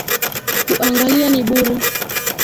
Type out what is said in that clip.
Kuangalia ni bure.